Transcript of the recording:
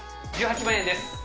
１８万円です。